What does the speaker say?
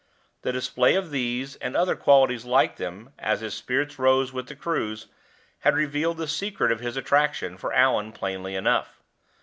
The display of these, and other qualities like them, as his spirits rose with the cruise, had revealed the secret of his attraction for Allan plainly enough.